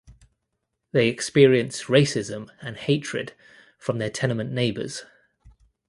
They experience racism and hatred from their tenement neighbors.